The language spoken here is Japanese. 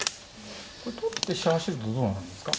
これ取って飛車走るとどうなんですか。